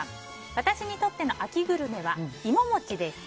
私にとっての秋グルメは芋餅です。